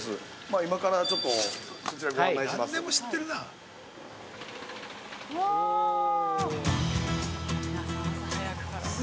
今からちょっとそちら、ご案内します。